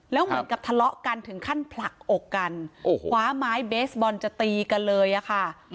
แล้วเหมือนกับทะเลาะกันถึงขั้นผลักอกกันโอ้โหคว้าไม้เบสบอลจะตีกันเลยอะค่ะ